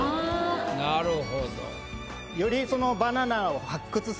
なるほど。